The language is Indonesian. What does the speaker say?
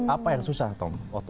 apa yang susah tom